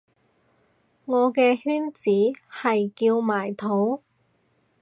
我嘅圈子係叫埋土